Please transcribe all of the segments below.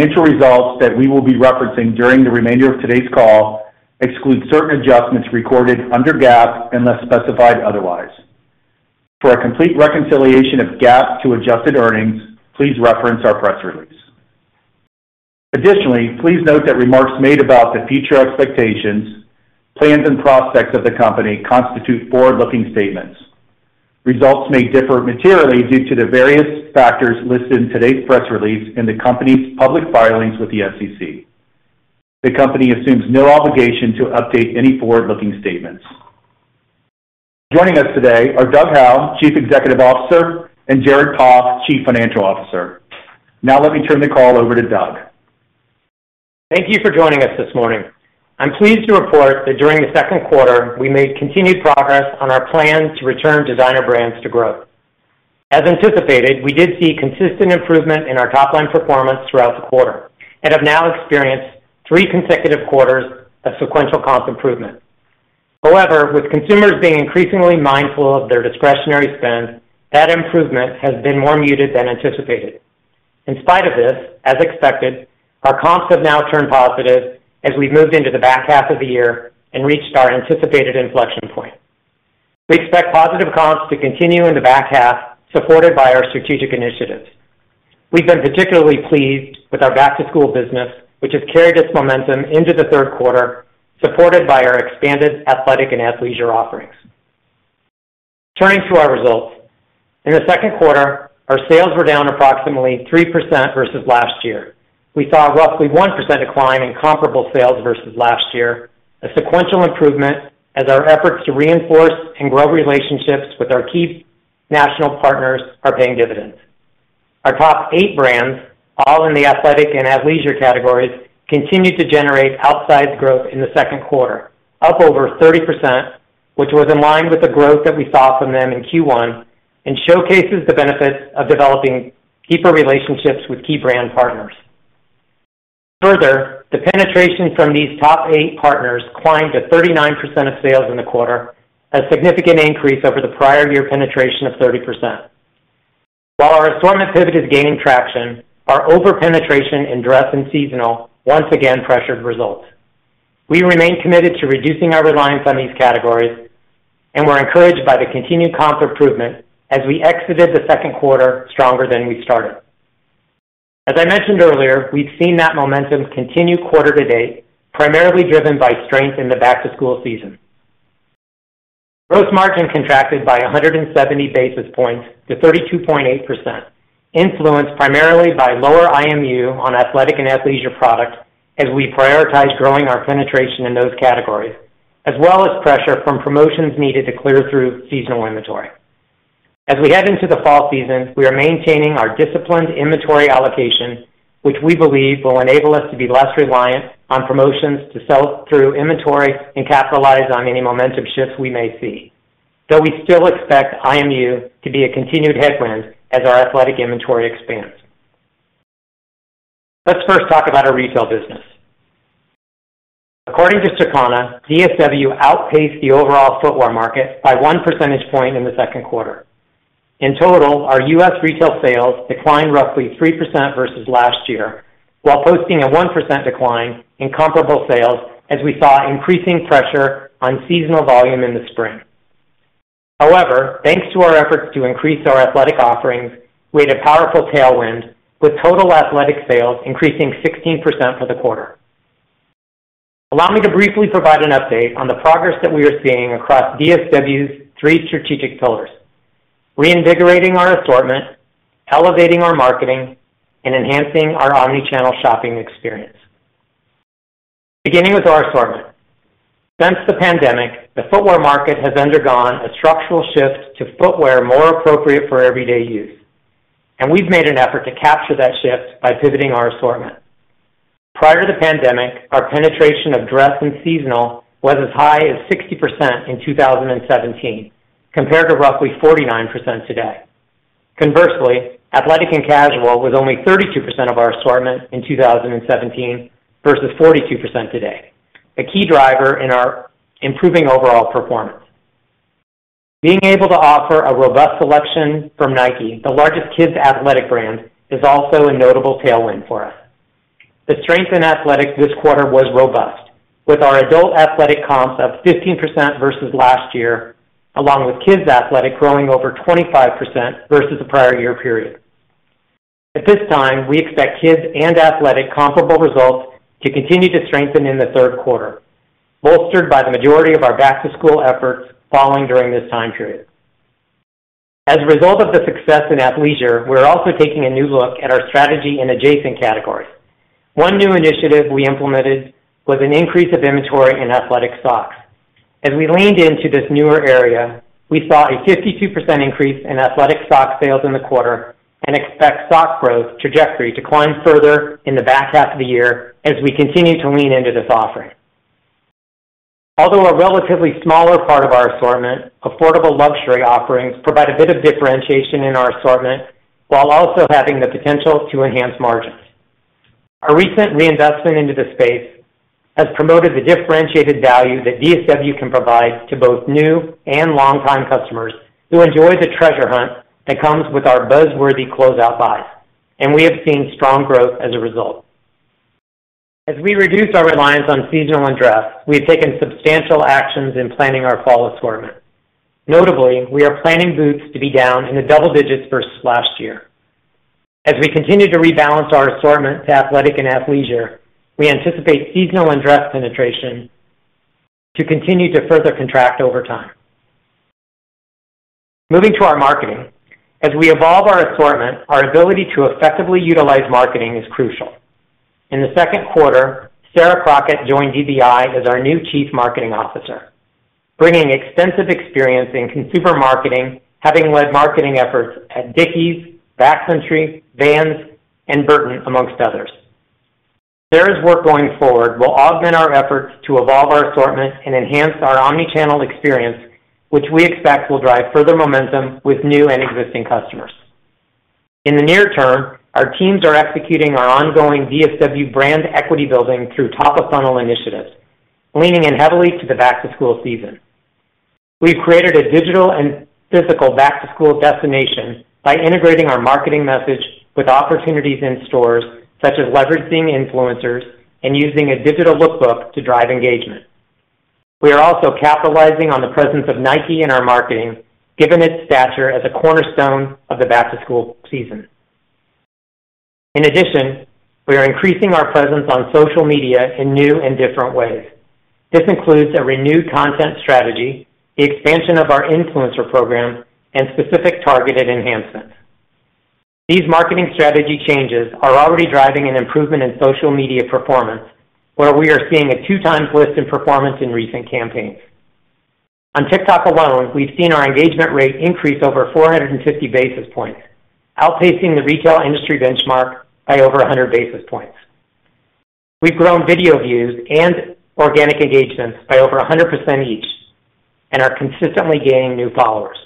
Financial results that we will be referencing during the remainder of today's call exclude certain adjustments recorded under GAAP, unless specified otherwise. For a complete reconciliation of GAAP to adjusted earnings, please reference our press release. Additionally, please note that remarks made about the future expectations, plans, and prospects of the company constitute forward-looking statements. Results may differ materially due to the various factors listed in today's press release in the company's public filings with the SEC. The company assumes no obligation to update any forward-looking statements. Joining us today are Doug Howe, Chief Executive Officer, and Jared Poff, Chief Financial Officer. Now let me turn the call over to Doug. Thank you for joining us this morning. I'm pleased to report that during the second quarter, we made continued progress on our plan to return Designer Brands to growth. As anticipated, we did see consistent improvement in our top-line performance throughout the quarter and have now experienced three consecutive quarters of sequential comp improvement. However, with consumers being increasingly mindful of their discretionary spend, that improvement has been more muted than anticipated. In spite of this, as expected, our comps have now turned positive as we've moved into the back half of the year and reached our anticipated inflection point. We expect positive comps to continue in the back half, supported by our strategic initiatives. We've been particularly pleased with our back-to-school business, which has carried this momentum into the third quarter, supported by our expanded athletic and athleisure offerings. Turning to our results. In the second quarter, our sales were down approximately 3% versus last year. We saw a roughly 1% decline in comparable sales versus last year, a sequential improvement as our efforts to reinforce and grow relationships with our key national partners are paying dividends. Our top eight brands, all in the athletic and athleisure categories, continued to generate outsized growth in the second quarter, up over 30%, which was in line with the growth that we saw from them in Q1, and showcases the benefits of developing deeper relationships with key brand partners. Further, the penetration from these top eight partners climbed to 39% of sales in the quarter, a significant increase over the prior year penetration of 30%. While our assortment pivot is gaining traction, our over-penetration in dress and seasonal once again pressured results. We remain committed to reducing our reliance on these categories, and we're encouraged by the continued comp improvement as we exited the Q2 stronger than we started. As I mentioned earlier, we've seen that momentum continue quarter to date, primarily driven by strength in the back-to-school season. Gross margin contracted by 170 basis points to 32.8%, influenced primarily by lower IMU on athletic and athleisure products as we prioritize growing our penetration in those categories, as well as pressure from promotions needed to clear through seasonal inventory. As we head into the fall season, we are maintaining our disciplined inventory allocation, which we believe will enable us to be less reliant on promotions to sell through inventory and capitalize on any momentum shifts we may see. Though we still expect IMU to be a continued headwind as our athletic inventory expands. Let's first talk about our retail business. According to Circana, DSW outpaced the overall footwear market by one percentage point in the second quarter. In total, our US retail sales declined roughly 3% versus last year, while posting a 1% decline in comparable sales as we saw increasing pressure on seasonal volume in the spring. However, thanks to our efforts to increase our athletic offerings, we had a powerful tailwind, with total athletic sales increasing 16% for the quarter. Allow me to briefly provide an update on the progress that we are seeing across DSW's three strategic pillars: reinvigorating our assortment, elevating our marketing, and enhancing our omni-channel shopping experience. Beginning with our assortment. Since the pandemic, the footwear market has undergone a structural shift to footwear more appropriate for everyday use, and we've made an effort to capture that shift by pivoting our assortment. Prior to the pandemic, our penetration of dress and seasonal was as high as 60% in 2017, compared to roughly 49% today. Conversely, athletic and casual was only 32% of our assortment in 2017 versus 42% today, a key driver in our improving overall performance. Being able to offer a robust selection from Nike, the largest kids' athletic brand, is also a notable tailwind for us. The strength in athletic this quarter was robust, with our adult athletic comps up 15% versus last year, along with kids' athletic growing over 25% versus the prior year period. At this time, we expect kids and athletic comparable results to continue to strengthen in the third quarter, bolstered by the majority of our back-to-school efforts falling during this time period. As a result of the success in athleisure, we're also taking a new look at our strategy in adjacent categories. One new initiative we implemented was an increase of inventory in athletic socks. As we leaned into this newer area, we saw a 52% increase in athletic sock sales in the quarter and expect sock growth trajectory to climb further in the back half of the year as we continue to lean into this offering. Although a relatively smaller part of our assortment, affordable luxury offerings provide a bit of differentiation in our assortment, while also having the potential to enhance margins. Our recent reinvestment into this space has promoted the differentiated value that DSW can provide to both new and longtime customers who enjoy the treasure hunt that comes with our buzzworthy closeout buys, and we have seen strong growth as a result. As we reduce our reliance on seasonal and dress, we have taken substantial actions in planning our fall assortment. Notably, we are planning boots to be down in the double digits versus last year. As we continue to rebalance our assortment to athletic and athleisure, we anticipate seasonal and dress penetration to continue to further contract over time. Moving to our marketing. As we evolve our assortment, our ability to effectively utilize marketing is crucial. In the second quarter, Sarah Crockett joined DBI as our new Chief Marketing Officer, bringing extensive experience in consumer marketing, having led marketing efforts at Dickies, Backcountry, Vans, and Burton, amongst others. Sarah's work going forward will augment our efforts to evolve our assortment and enhance our omni-channel experience, which we expect will drive further momentum with new and existing customers. In the near term, our teams are executing our ongoing DSW brand equity building through top-of-funnel initiatives, leaning in heavily to the back-to-school season. We've created a digital and physical back-to-school destination by integrating our marketing message with opportunities in stores, such as leveraging influencers and using a digital look book to drive engagement. We are also capitalizing on the presence of Nike in our marketing, given its stature as a cornerstone of the back-to-school season. In addition, we are increasing our presence on social media in new and different ways. This includes a renewed content strategy, the expansion of our influencer program, and specific targeted enhancements. These marketing strategy changes are already driving an improvement in social media performance, where we are seeing a two times lift in performance in recent campaigns. On TikTok alone, we've seen our engagement rate increase over 450 basis points, outpacing the retail industry benchmark by over 100 basis points. We've grown video views and organic engagements by over 100% each and are consistently gaining new followers.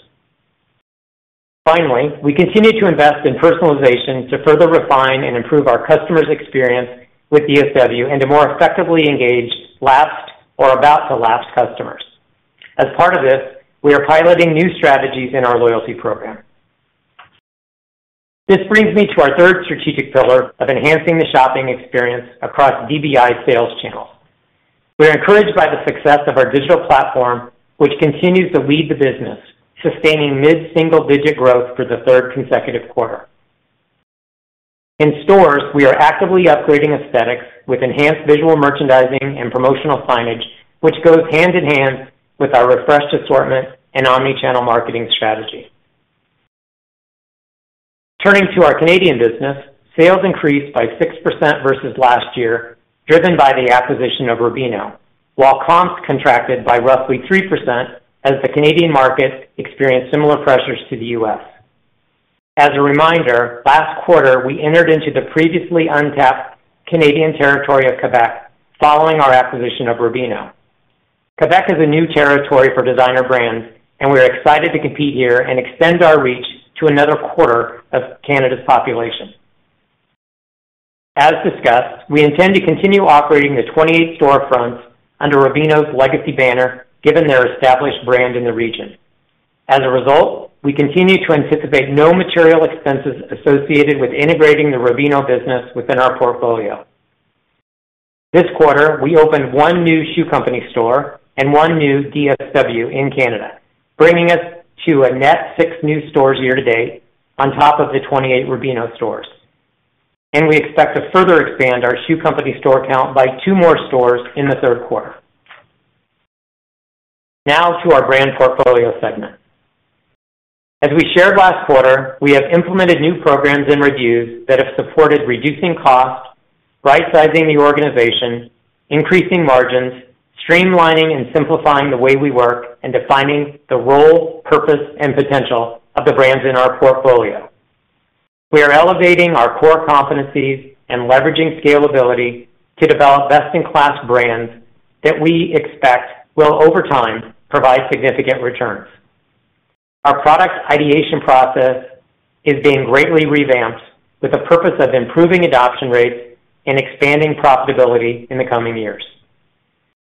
Finally, we continue to invest in personalization to further refine and improve our customers' experience with DSW, and to more effectively engage lapsed or about to lapse customers. As part of this, we are piloting new strategies in our loyalty program. This brings me to our third strategic pillar of enhancing the shopping experience across DBI's sales channels. We're encouraged by the success of our digital platform, which continues to lead the business, sustaining mid-single-digit growth for the third consecutive quarter. In stores, we are actively upgrading aesthetics with enhanced visual merchandising and promotional signage, which goes hand in hand with our refreshed assortment and omni-channel marketing strategy. Turning to our Canadian business, sales increased by 6% versus last year, driven by the acquisition of Rubino, while comps contracted by roughly 3% as the Canadian market experienced similar pressures to the U.S. As a reminder, last quarter, we entered into the previously untapped Canadian territory of Quebec following our acquisition of Rubino. Quebec is a new territory for Designer Brands, and we are excited to compete here and extend our reach to another quarter of Canada's population. As discussed, we intend to continue operating the twenty-eight storefronts under Rubino's legacy banner, given their established brand in the region. As a result, we continue to anticipate no material expenses associated with integrating the Rubino business within our portfolio. This quarter, we opened one new Shoe Company store and one new DSW in Canada, bringing us to a net six new stores year to date on top of the twenty-eight Rubino stores. And we expect to further expand our Shoe Company store count by two more stores in the third quarter. Now to our brand portfolio segment. As we shared last quarter, we have implemented new programs and reviews that have supported reducing costs, rightsizing the organization, increasing margins, streamlining and simplifying the way we work, and defining the role, purpose, and potential of the brands in our portfolio. We are elevating our core competencies and leveraging scalability to develop best-in-class brands that we expect will, over time, provide significant returns. Our product ideation process is being greatly revamped with the purpose of improving adoption rates and expanding profitability in the coming years.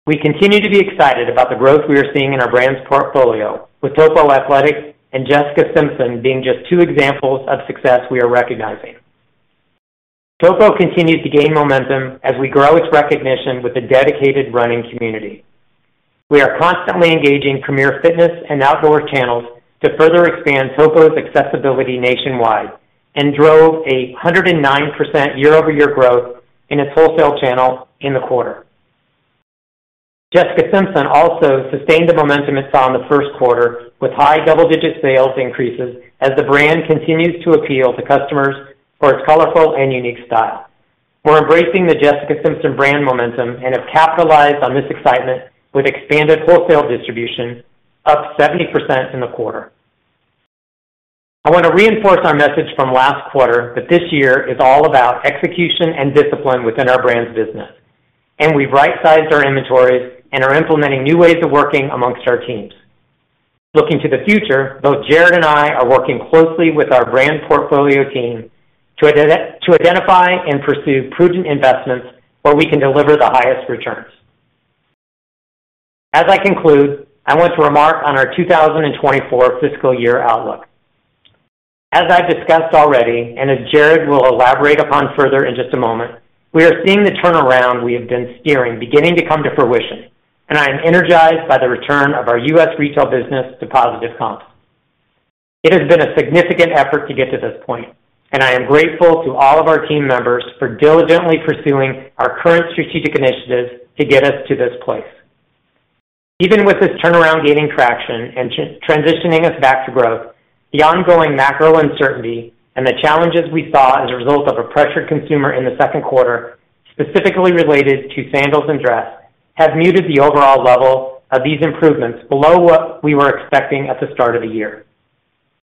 We continue to be excited about the growth we are seeing in our brands portfolio, with Topo Athletic and Jessica Simpson being just two examples of success we are recognizing. Topo continues to gain momentum as we grow its recognition with the dedicated running community. We are constantly engaging premier fitness and outdoor channels to further expand Topo's accessibility nationwide and drove 109% year-over-year growth in its wholesale channel in the quarter. Jessica Simpson also sustained the momentum it saw in the first quarter with high double-digit sales increases as the brand continues to appeal to customers for its colorful and unique style. We're embracing the Jessica Simpson brand momentum and have capitalized on this excitement with expanded wholesale distribution, up 70% in the quarter. I want to reinforce our message from last quarter that this year is all about execution and discipline within our brands business, and we've rightsized our inventories and are implementing new ways of working amongst our teams. Looking to the future, both Jared and I are working closely with our brand portfolio team to identify and pursue prudent investments where we can deliver the highest returns. As I conclude, I want to remark on our two thousand and twenty-four fiscal year outlook. As I've discussed already, and as Jared will elaborate upon further in just a moment, we are seeing the turnaround we have been steering beginning to come to fruition, and I am energized by the return of our U.S. retail business to positive comps. It has been a significant effort to get to this point, and I am grateful to all of our team members for diligently pursuing our current strategic initiatives to get us to this place. Even with this turnaround gaining traction and transitioning us back to growth, the ongoing macro uncertainty and the challenges we saw as a result of a pressured consumer in the second quarter, specifically related to sandals and dress, have muted the overall level of these improvements below what we were expecting at the start of the year.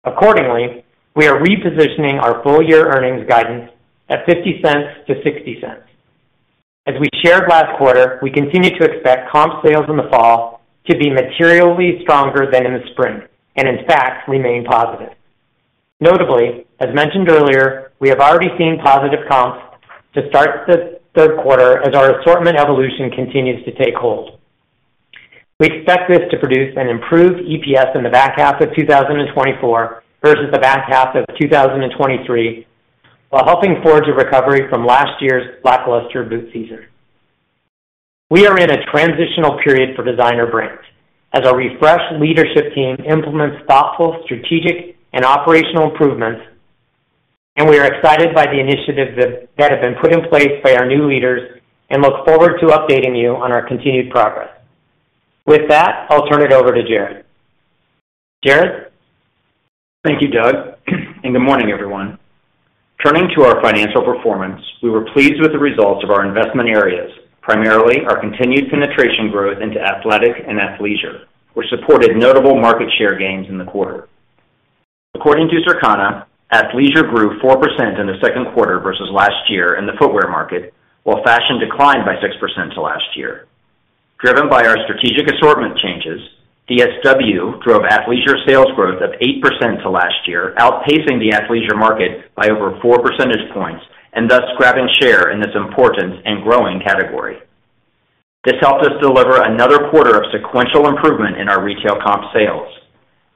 Accordingly, we are repositioning our full year earnings guidance at $0.50-0.60. As we shared last quarter, we continue to expect comp sales in the fall to be materially stronger than in the spring, and in fact, remain positive. Notably, as mentioned earlier, we have already seen positive comps to start the third quarter as our assortment evolution continues to take hold. We expect this to produce an improved EPS in the back half of 2024 versus the back half of 2023, while helping forge a recovery from last year's lackluster boot season. We are in a transitional period for Designer Brands as our refreshed leadership team implements thoughtful, strategic, and operational improvements, and we are excited by the initiatives that have been put in place by our new leaders and look forward to updating you on our continued progress. With that, I'll turn it over to Jared. Jared? Thank you, Doug, and good morning, everyone. Turning to our financial performance, we were pleased with the results of our investment areas, primarily our continued penetration growth into athletic and athleisure, which supported notable market share gains in the quarter. According to Circana, athleisure grew 4% in the Q2 versus last year in the footwear market, while fashion declined by 6% versus last year. Driven by our strategic assortment changes, DSW drove athleisure sales growth of 8% versus last year, outpacing the athleisure market by over four percentage points, and thus grabbing share in this important and growing category. This helped us deliver another quarter of sequential improvement in our retail comp sales.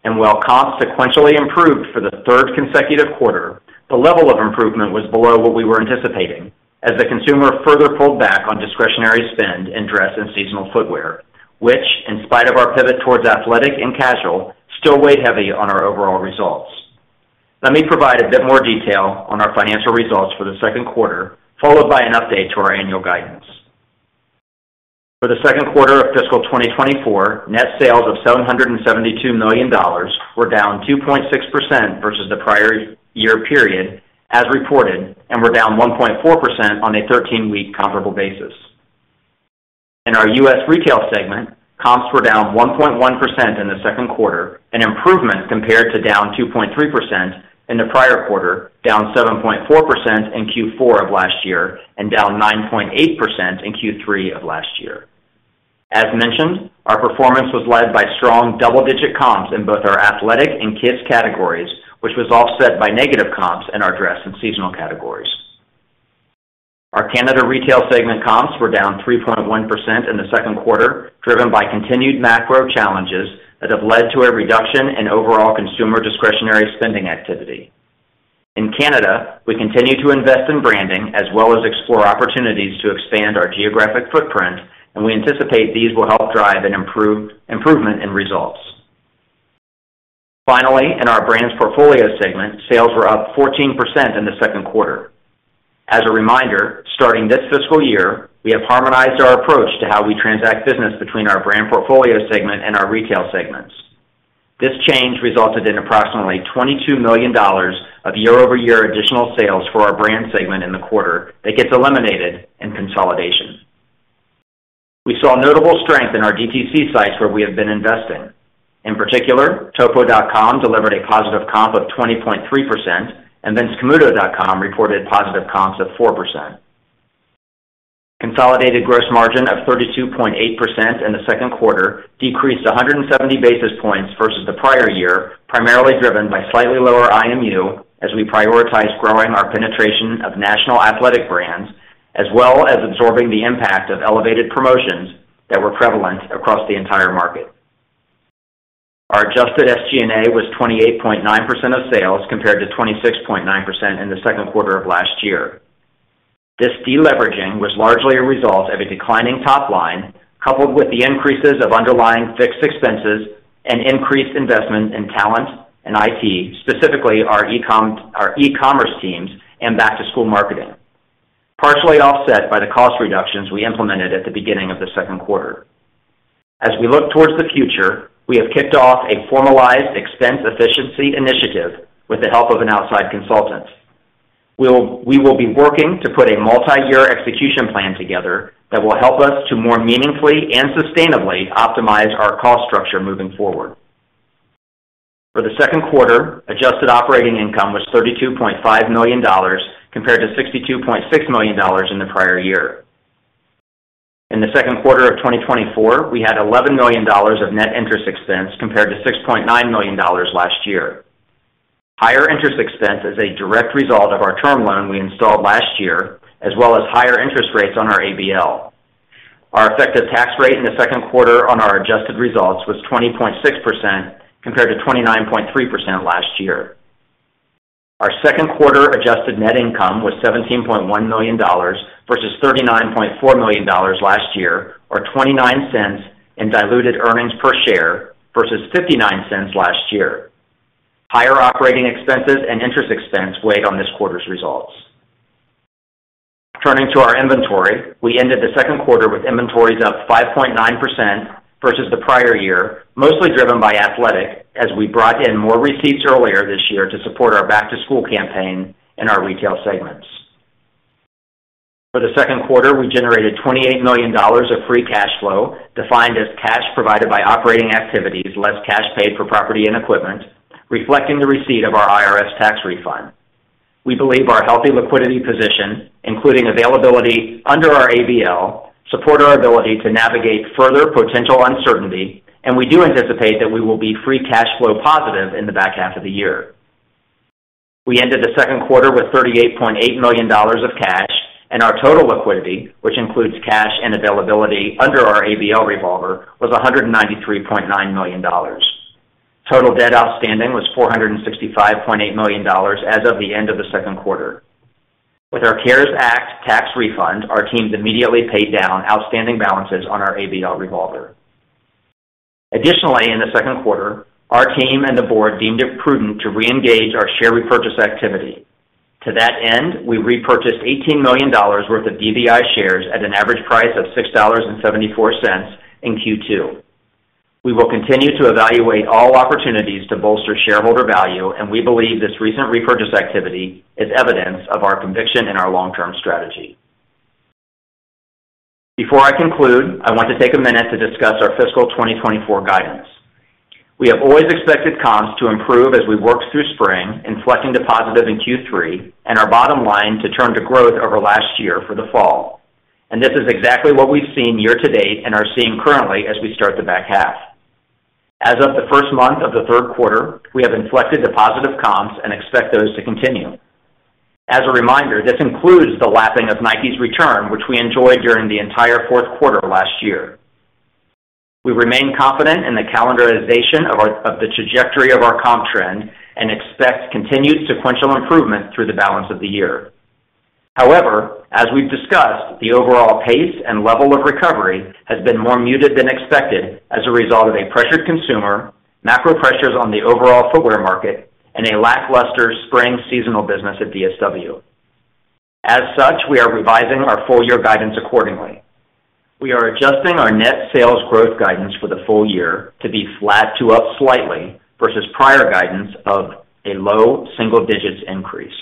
And while comps sequentially improved for the third consecutive quarter, the level of improvement was below what we were anticipating as the consumer further pulled back on discretionary spend in dress and seasonal footwear, which, in spite of our pivot towards athletic and casual, still weighed heavy on our overall results. Let me provide a bit more detail on our financial results for Q2, followed by an update to our annual guidance. For the second quarter of fiscal 2024, net sales of $772 million were down 2.6% versus the prior year period as reported, and were down 1.4% on a 13-week comparable basis. In our U.S. retail segment, comps were down 1.1% in Q2, an improvement compared to down 2.3% in the prior quarter, down 7.4% in Q4 of last year, and down 9.8% in Q3 of last year. As mentioned, our performance was led by strong double-digit comps in both our athletic and kids categories, which was offset by negative comps in our dress and seasonal categories. Our Canada retail segment comps were down 3.1% in the second quarter, driven by continued macro challenges that have led to a reduction in overall consumer discretionary spending activity. In Canada, we continue to invest in branding as well as explore opportunities to expand our geographic footprint, and we anticipate these will help drive an improvement in results. Finally, in our brands portfolio segment, sales were up 14% in Q2. As a reminder, starting this fiscal year, we have harmonized our approach to how we transact business between our brand portfolio segment and our retail segments. This change resulted in approximately $22 million of year-over-year additional sales for our brand segment in the quarter that gets eliminated in consolidation. We saw notable strength in our DTC sites where we have been investing. In particular, topo.com delivered a positive comp of 20.3%, and then camuto.com reported positive comps of 4%. Consolidated gross margin of 32.8% in the second quarter decreased 170 basis points versus the prior year, primarily driven by slightly lower IMU as we prioritized growing our penetration of national athletic brands, as well as absorbing the impact of elevated promotions that were prevalent across the entire market. Our adjusted SG&A was 28.9% of sales, compared to 26.9% in the second quarter of last year. This deleveraging was largely a result of a declining top line, coupled with the increases of underlying fixed expenses and increased investment in talent and IT, specifically our e-commerce teams and back-to-school marketing, partially offset by the cost reductions we implemented at the beginning of Q2. As we look towards the future, we have kicked off a formalized expense efficiency initiative with the help of an outside consultant. We will be working to put a multiyear execution plan together that will help us to more meaningfully and sustainably optimize our cost structure moving forward. For the Q2, adjusted operating income was $32.5 million, compared to $62.6 million in the prior year. In Q2 of 2024, we had $11 million of net interest expense compared to $6.9 million last year. Higher interest expense is a direct result of our term loan we installed last year, as well as higher interest rates on our ABL. Our effective tax rate in the Q2 on our adjusted results was 20.6%, compared to 29.3% last year. Our Q2 adjusted net income was $17.1 million versus $39.4 million last year, or $0.29 in diluted earnings per share versus $0.59 last year. Higher operating expenses and interest expense weighed on this quarter's results. Turning to our inventory, we ended the second quarter with inventories up 5.9% versus the prior year, mostly driven by athletic, as we brought in more receipts earlier this year to support our back-to-school campaign in our retail segments. For the second quarter, we generated $28 million of free cash flow, defined as cash provided by operating activities, less cash paid for property and equipment, reflecting the receipt of our IRS tax refund. We believe our healthy liquidity position, including availability under our ABL, support our ability to navigate further potential uncertainty, and we do anticipate that we will be free cash flow positive in the back half of the year. We ended Q2 with $38.8 million of cash, and our total liquidity, which includes cash and availability under our ABL revolver, was $193.9 million. Total debt outstanding was $465.8 million as of the end of Q2. With our CARES Act tax refund, our teams immediately paid down outstanding balances on our ABL revolver. Additionally, in the second quarter, our team and the board deemed it prudent to reengage our share repurchase activity. To that end, we repurchased $18 million worth of DBI shares at an average price of $6.74 in Q2. We will continue to evaluate all opportunities to bolster shareholder value, and we believe this recent repurchase activity is evidence of our conviction in our long-term strategy. Before I conclude, I want to take a minute to discuss our fiscal 2024 guidance. We have always expected comps to improve as we worked through spring, inflecting to positive in Q3, and our bottom line to turn to growth over last year for the fall. This is exactly what we've seen year to date and are seeing currently as we start the back half. As of the first month of Q3, we have inflected to positive comps and expect those to continue. As a reminder, this includes the lapping of Nike's return, which we enjoyed during the entire fourth quarter last year. We remain confident in the calendarization of the trajectory of our comp trend and expect continued sequential improvement through the balance of the year. However, as we've discussed, the overall pace and level of recovery has been more muted than expected as a result of a pressured consumer, macro pressures on the overall footwear market, and a lackluster spring seasonal business at DSW. As such, we are revising our full year guidance accordingly. We are adjusting our net sales growth guidance for the full year to be flat to up slightly versus prior guidance of a low single-digits increase.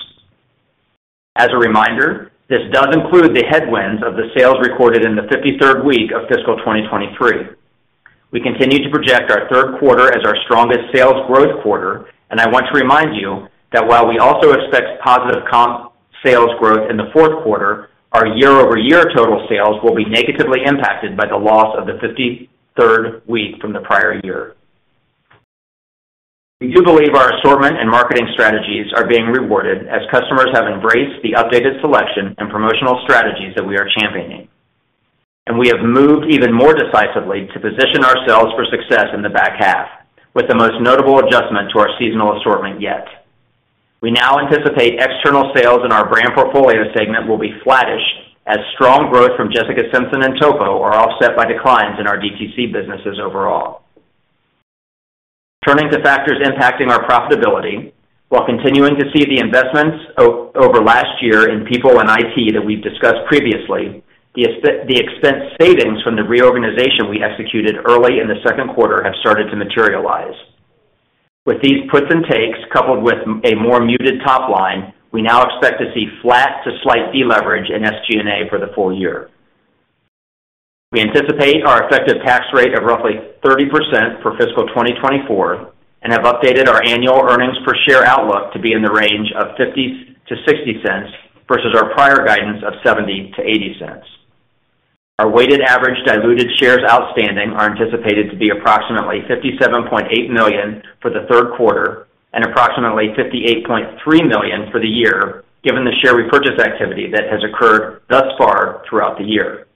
As a reminder, this does include the headwinds of the sales recorded in the 53rd week of fiscal 2023. We continue to project our third quarter as our strongest sales growth quarter, and I want to remind you that while we also expect positive comp sales growth in the fourth quarter, our year-over-year total sales will be negatively impacted by the loss of the 53rd week from the prior year. We do believe our assortment and marketing strategies are being rewarded as customers have embraced the updated selection and promotional strategies that we are championing, and we have moved even more decisively to position ourselves for success in the back half, with the most notable adjustment to our seasonal assortment yet. We now anticipate external sales in our brand portfolio segment will be flattish, as strong growth from Jessica Simpson and Topo are offset by declines in our DTC businesses overall. Turning to factors impacting our profitability, while continuing to see the investments over last year in people and IT that we've discussed previously, the expense savings from the reorganization we executed early in the second quarter have started to materialize. With these puts and takes, coupled with a more muted top line, we now expect to see flat to slight deleverage in SG&A for the full year. We anticipate our effective tax rate of roughly 30% for fiscal 2024, and have updated our annual earnings per share outlook to be in the range of $0.50-0.60 versus our prior guidance of $0.70-0.80. Our weighted average diluted shares outstanding are anticipated to be approximately 57.8 million for Q3 and approximately 58.3 million for the year, given the share repurchase activity that has occurred thus far throughout the year.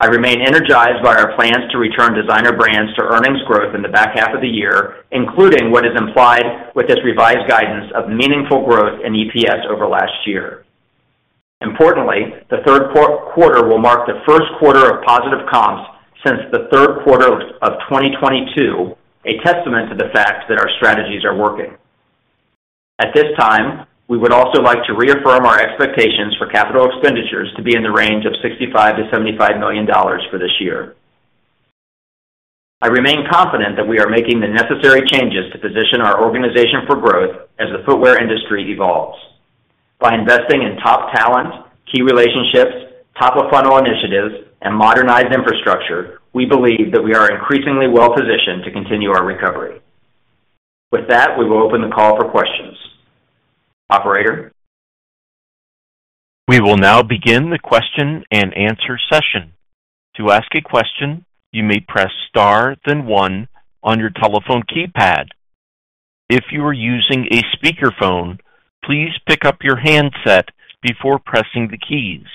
I remain energized by our plans to return Designer Brands to earnings growth in the back half of the year, including what is implied with this revised guidance of meaningful growth in EPS over last year. Importantly, Q3 will mark Q1 of positive comps since the Q3 of 2022, a testament to the fact that our strategies are working. At this time, we would also like to reaffirm our expectations for capital expenditures to be in the range of $65-75 million for this year. I remain confident that we are making the necessary changes to position our organization for growth as the footwear industry evolves. By investing in top talent, key relationships, top-of-funnel initiatives, and modernized infrastructure, we believe that we are increasingly well positioned to continue our recovery. With that, we will open the call for questions. Operator? We will now begin the question-and-answer session. To ask a question, you may press star then one on your telephone keypad. If you are using a speakerphone, please pick up your handset before pressing the keys.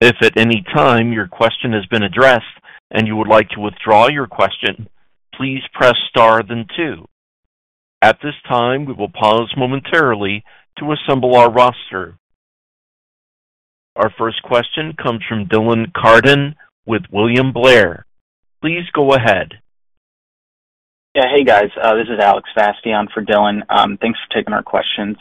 If at any time your question has been addressed and you would like to withdraw your question, please press star then two. At this time, we will pause momentarily to assemble our roster. Our first question comes from Dylan Carden with William Blair. Please go ahead. Yeah. Hey, guys. This is Alex Fasty on for Dylan. Thanks for taking our questions.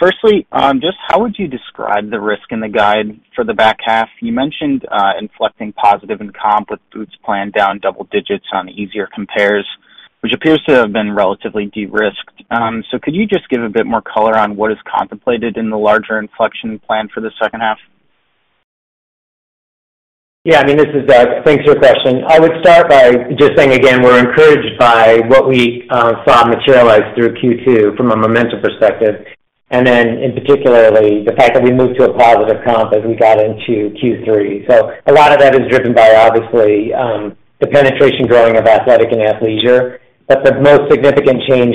Firstly, just how would you describe the risk in the guide for the back half? You mentioned inflecting positive in comp with boots planned down double digits on easier compares, which appears to have been relatively de-risked. So could you just give a bit more color on what is contemplated in the larger inflection plan for the second half? Yeah, I mean, this is Doug. Thanks for your question. I would start by just saying again, we're encouraged by what we saw materialize through Q2 from a momentum perspective, and then in particularly the fact that we moved to a positive comp as we got into Q3. So a lot of that is driven by, obviously, the penetration growing of athletic and athleisure. But the most significant change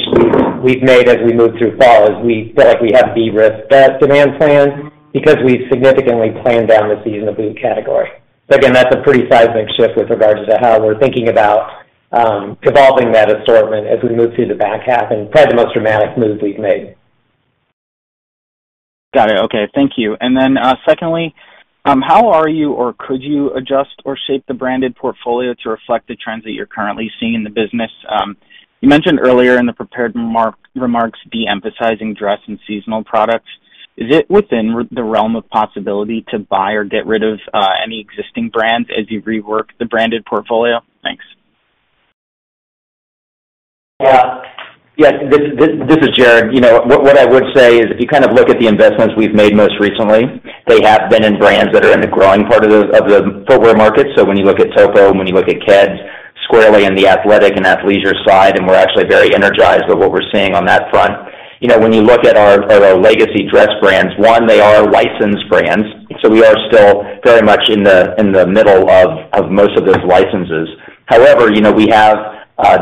we've made as we move through fall is we feel like we have de-risked that demand plan because we've significantly planned down the season of boot category. So again, that's a pretty seismic shift with regards to how we're thinking about evolving that assortment as we move through the back half and probably the most dramatic move we've made. Got it. Okay. Thank you. And then, secondly, how are you or could you adjust or shape the branded portfolio to reflect the trends that you're currently seeing in the business? You mentioned earlier in the prepared remarks, de-emphasizing dress and seasonal products. Is it within the realm of possibility to buy or get rid of any existing brands as you rework the branded portfolio? Thanks. Yeah. Yes, this is Jared. You know, what I would say is, if you kind of look at the investments we've made most recently, they have been in brands that are in the growing part of the footwear market. So when you look at Topo and when you look at Keds, squarely in the athletic and athleisure side, and we're actually very energized by what we're seeing on that front. You know, when you look at our legacy dress brands, one, they are licensed brands, so we are still very much in the middle of most of those licenses. However, you know, we have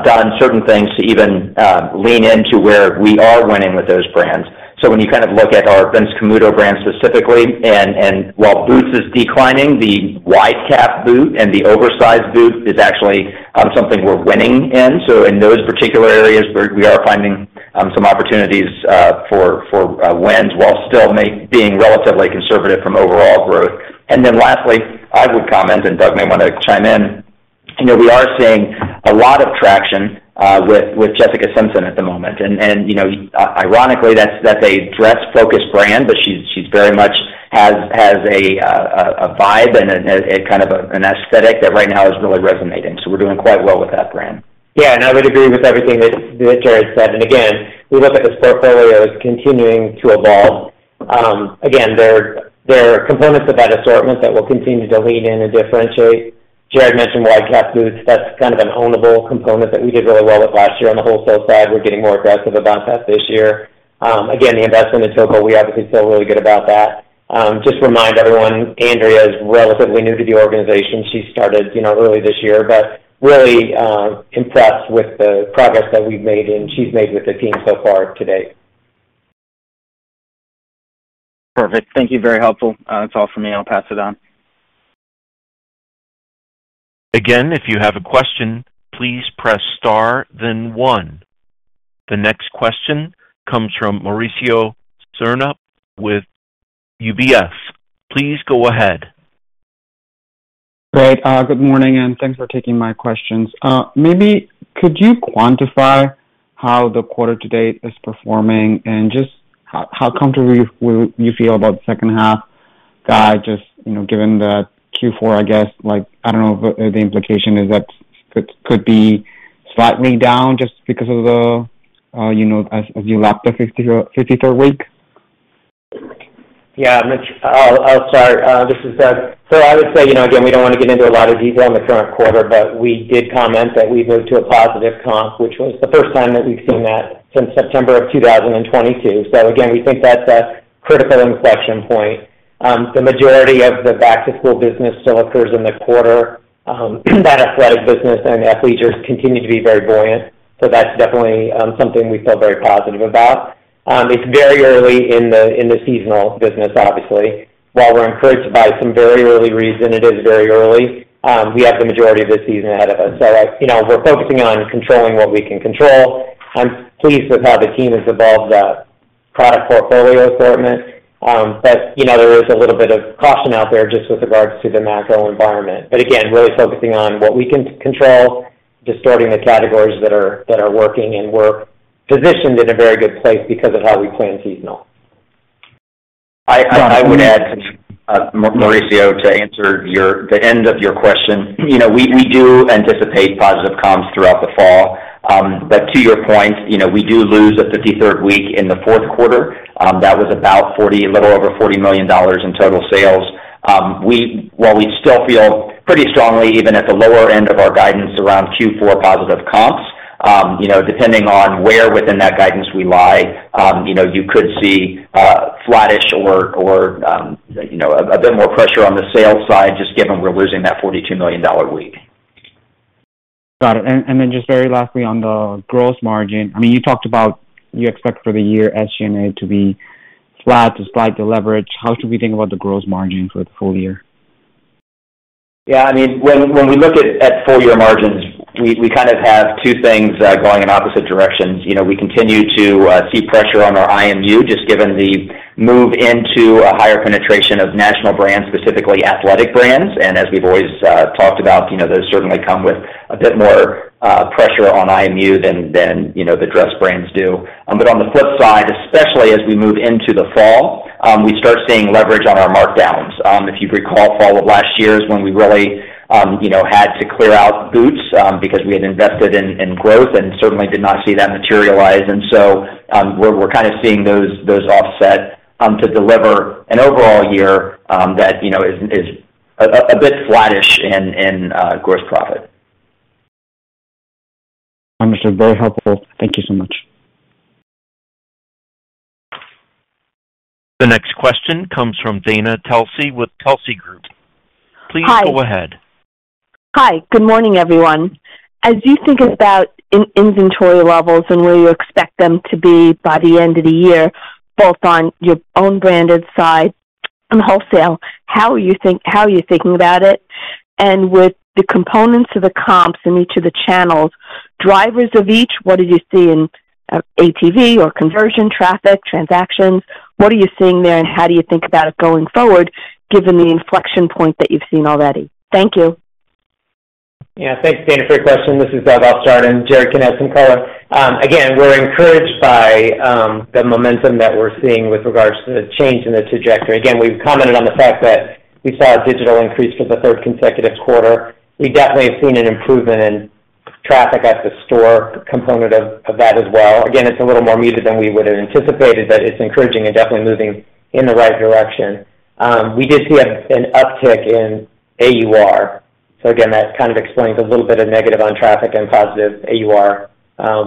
done certain things to even lean into where we are winning with those brands. So when you kind of look at our Vince Camuto brand specifically, and while boots is declining, the wide-calf boot and the oversized boot is actually something we're winning in. So in those particular areas, we're finding some opportunities for wins, while still being relatively conservative from overall growth. And then lastly, I would comment, and Doug may want to chime in. You know, we are seeing a lot of traction with Jessica Simpson at the moment, and you know, ironically, that's a dress-focused brand, but she very much has a vibe and a kind of an aesthetic that right now is really resonating. So we're doing quite well with that brand. Yeah, and I would agree with everything that, that Jared said. And again, we look at this portfolio as continuing to evolve. Again, there, there are components of that assortment that we'll continue to lean in and differentiate. Jared mentioned wide-calf boots. That's kind of an ownable component that we did really well with last year on the wholesale side. We're getting more aggressive about that this year. Again, the investment in Topo, we obviously feel really good about that. Just remind everyone, Andrea is relatively new to the organization. She started, you know, early this year, but really impressed with the progress that we've made and she's made with the team so far today. Perfect. Thank you. Very helpful. That's all for me. I'll pass it on. Again, if you have a question, please press star then one. The next question comes from Mauricio Serna with UBS. Please go ahead. Great. Good morning, and thanks for taking my questions. Maybe could you quantify how the quarter to date is performing and just how comfortable you feel about the second half guide? Just, you know, given the Q4, I guess, like, I don't know what the implication is that could be slightly down just because of the, you know, as you lap the 53rd week. Yeah, Mitch, I'll start. This is Doug. So I would say, you know, again, we don't want to get into a lot of detail on the current quarter, but we did comment that we moved to a positive comp, which was the first time that we've seen that since September of 2022. So again, we think that's a critical inflection point. The majority of the back-to-school business still occurs in the quarter. That athletic business and athleisure continue to be very buoyant. So that's definitely something we feel very positive about. It's very early in the seasonal business, obviously. While we're encouraged by some very early reads, and it is very early, we have the majority of the season ahead of us. So, you know, we're focusing on controlling what we can control. I'm pleased with how the team has evolved the product portfolio assortment, but you know, there is a little bit of caution out there just with regards to the macro environment, but again, really focusing on what we can control, distorting the categories that are working, and we're positioned in a very good place because of how we plan seasonal. I would add, Mauricio, to answer the end of your question. You know, we do anticipate positive comps throughout the fall, but to your point, you know, we do lose a 53rd week in the fourth quarter. That was about $40, a little over $40 million in total sales. While we still feel pretty strongly, even at the lower end of our guidance, around Q4 positive comps, you know, depending on where within that guidance we lie, you know, you could see flattish or you know, a bit more pressure on the sales side, just given we're losing that $42 million week. Got it. And then just very lastly, on the gross margin. I mean, you talked about you expect for the year SG&A to be flat to slight leverage. How should we think about the gross margins for the full year? Yeah, I mean, when we look at full year margins, we kind of have two things going in opposite directions. You know, we continue to see pressure on our IMU, just given the move into a higher penetration of national brands, specifically athletic brands, and as we've always talked about, you know, those certainly come with a bit more pressure on IMU than the dress brands do, but on the flip side, especially as we move into the fall, we start seeing leverage on our markdowns. If you recall, fall of last year is when we really had to clear out boots, because we had invested in growth and certainly did not see that materialize. And so, we're kind of seeing those offset to deliver an overall year that, you know, is a bit flattish in gross profit. Understood. Very helpful. Thank you so much. The next question comes from Dana Telsey with Telsey Group. Hi. Please go ahead. Hi, good morning, everyone. As you think about inventory levels and where you expect them to be by the end of the year, both on your own branded side and wholesale, how are you thinking about it? And with the components of the comps in each of the channels, drivers of each, what do you see in ATV or conversion traffic, transactions? What are you seeing there, and how do you think about it going forward, given the inflection point that you've seen already? Thank you. Yeah. Thanks, Dana, for your question. This is Doug Howe and Jared Poff on the call. Again, we're encouraged by the momentum that we're seeing with regards to the change in the trajectory. Again, we've commented on the fact that we saw a digital increase for the third consecutive quarter. We definitely have seen an improvement in traffic at the store component of that as well. Again, it's a little more muted than we would have anticipated, but it's encouraging and definitely moving in the right direction. We did see an uptick in AUR. So again, that kind of explains a little bit of negative on traffic and positive AUR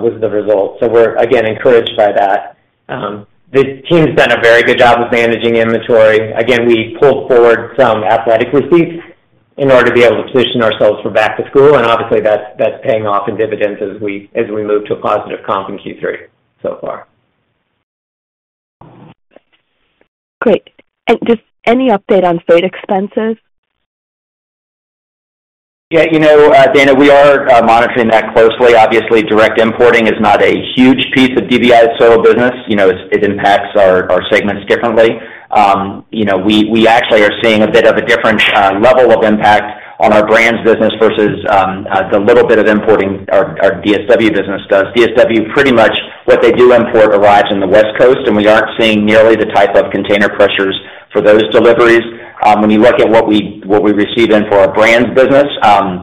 with the results. So we're again encouraged by that. The team's done a very good job of managing inventory. Again, we pulled forward some athletic receipts in order to be able to position ourselves for back to school, and obviously, that's paying off in dividends as we move to a positive comp in Q3 so far. Great, and just any update on freight expenses? Yeah, you know, Dana, we are monitoring that closely. Obviously, direct importing is not a huge piece of DBI's solo business. You know, it impacts our segments differently. You know, we actually are seeing a bit of a different level of impact on our brands business versus the little bit of importing our DSW business does. DSW, pretty much what they do import, arrives on the West Coast, and we aren't seeing nearly the type of container pressures for those deliveries. When you look at what we receive in for our brands business,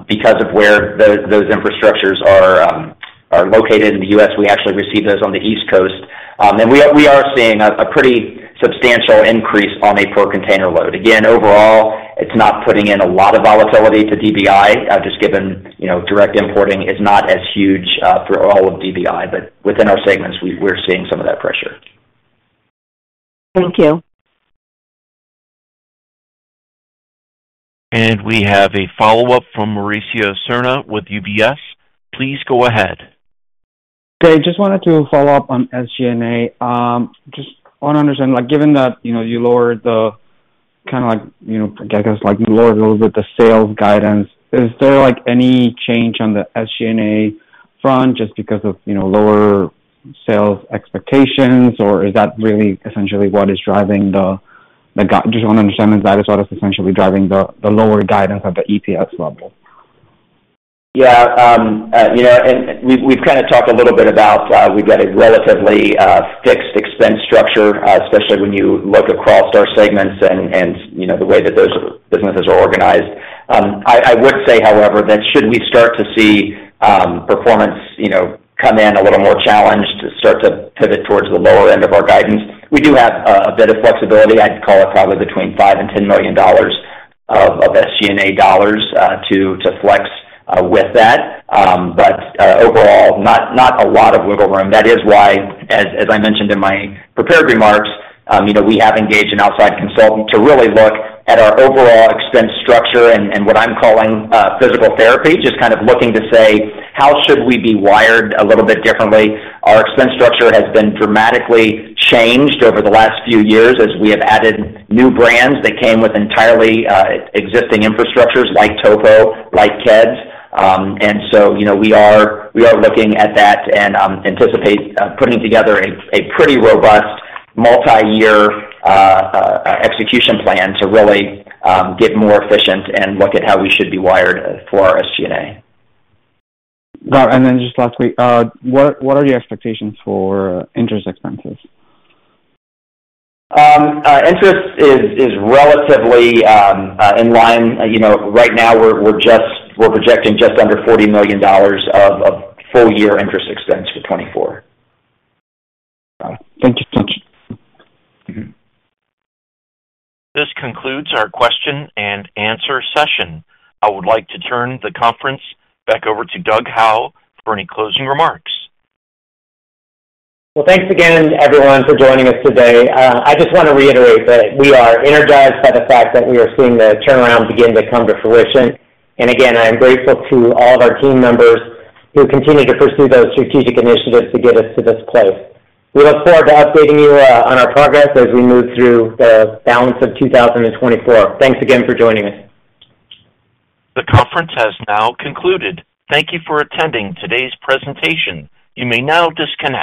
because of where those infrastructures are located in the U.S., we actually receive those on the East Coast. And we are seeing a pretty substantial increase on a per container load. Again, overall, it's not putting in a lot of volatility to DBI, just given, you know, direct importing is not as huge for all of DBI, but within our segments, we're seeing some of that pressure. Thank you. We have a follow-up from Mauricio Serna with UBS. Please go ahead. Okay. Just wanted to follow up on SG&A. Just want to understand, like, given that, you know, you lowered the kind of like, you know, I guess, like you lowered a little bit, the sales guidance, is there, like, any change on the SG&A front just because of, you know, lower sales expectations? Or is that really essentially what is driving the guidance? Just want to understand if that is what is essentially driving the lower guidance at the EPS level. Yeah, you know, and we've kind of talked a little bit about. We've got a relatively fixed expense structure, especially when you look across our segments and, you know, the way that those businesses are organized. I would say, however, that should we start to see performance, you know, come in a little more challenged, to start to pivot towards the lower end of our guidance, we do have a bit of flexibility. I'd call it probably between $5 million and $10 million of SG&A dollars to flex with that, but overall, not a lot of wiggle room. That is why, as I mentioned in my prepared remarks, you know, we have engaged an outside consultant to really look at our overall expense structure and what I'm calling physical therapy, just kind of looking to say: How should we be wired a little bit differently? Our expense structure has been dramatically changed over the last few years as we have added new brands that came with entirely existing infrastructures, like Topo, like Keds. And so, you know, we are looking at that and anticipate putting together a pretty robust multi-year execution plan to really get more efficient and look at how we should be wired for our SG&A. And then just lastly, what are the expectations for interest expenses? Interest is relatively in line. You know, right now we're just projecting just under $40 million of full year interest expense for 2024. Got it. Thank you. This concludes our question and answer session. I would like to turn the conference back over to Doug Howe for any closing remarks. Thanks again, everyone, for joining us today. I just want to reiterate that we are energized by the fact that we are seeing the turnaround begin to come to fruition. And again, I am grateful to all of our team members who continue to pursue those strategic initiatives to get us to this place. We look forward to updating you on our progress as we move through the balance of two thousand and twenty-four. Thanks again for joining us. The conference has now concluded. Thank you for attending today's presentation. You may now disconnect.